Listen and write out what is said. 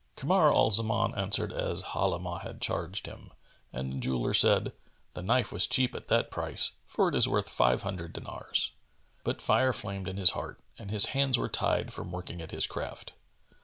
Kamar al Zaman answered as Halimah had charged him, and the jeweller said, "The knife was cheap at that price, for it is worth five hundred dinars." But fire flamed in his heart and his hands were tied from working at his craft.